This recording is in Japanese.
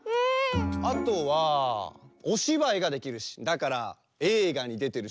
あとはおしばいができるしだからえいがにでてるし。